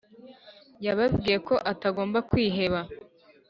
yababwiye ko batagomba kwiheba